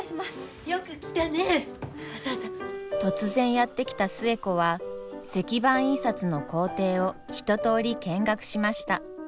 突然やって来た寿恵子は石版印刷の工程を一とおり見学しました。